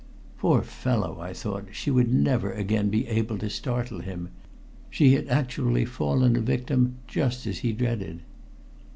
Poor fellow, I thought, she would never again be able to startle him. She had actually fallen a victim just as he dreaded.